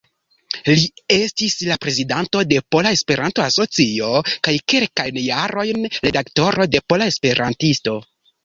Li estis la prezidanto de Pola Esperanto-Asocio kaj kelkajn jarojn redaktoro de Pola Esperantisto.